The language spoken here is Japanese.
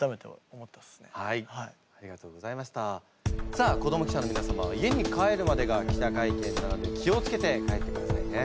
さあ子ども記者のみなさまは家に帰るまでが記者会見なので気を付けて帰ってくださいね。